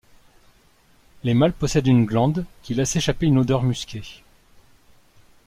Les mâles possèdent une glande qui laisse échapper une odeur musquée.